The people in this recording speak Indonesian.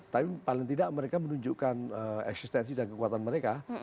tapi paling tidak mereka menunjukkan eksistensi dan kekuatan mereka